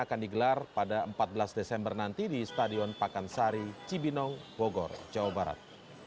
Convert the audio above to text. akan digelar pada empat belas desember nanti di stadion pakansari cibinong bogor jawa barat